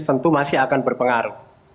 tentu masih akan berpengaruh